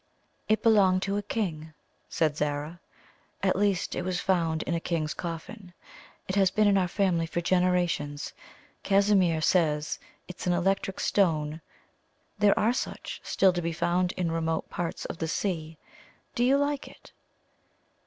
"It belonged to a king," said Zara, "at least, it was found in a king's coffin. It has been in our family for generations. Casimir says it is an electric stone there are such still to be found in remote parts of the sea. Do you like it?"